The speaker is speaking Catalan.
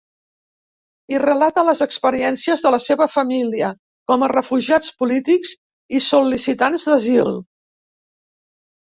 Hi relata les experiències de la seva família com a refugiats polítics i sol·licitants d'asil.